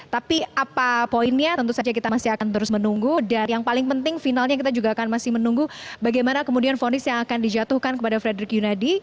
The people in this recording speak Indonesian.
tapi apa poinnya tentu saja kita masih akan terus menunggu dan yang paling penting finalnya kita juga akan masih menunggu bagaimana kemudian fonis yang akan dijatuhkan kepada frederick yunadi